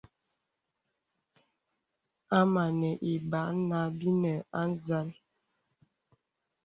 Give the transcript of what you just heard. Hāmà nə̀ ibàk nǎ binə̀ á zal.